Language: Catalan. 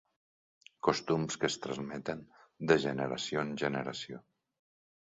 Costums que es transmeten de generació en generació.